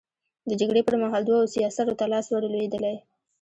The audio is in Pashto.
د جګړې پر مهال دوو سياسرو ته لاس ور لوېدلی.